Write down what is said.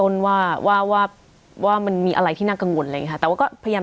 สวัสดีครับทุกผู้ชม